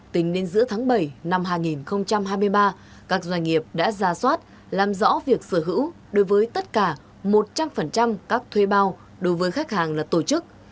tính đến giữa tháng bảy năm hai nghìn hai mươi ba các doanh nghiệp đã ra soát làm rõ việc sở hữu đối với tất cả một trăm linh các thuê bao đối với khách hàng là tổ chức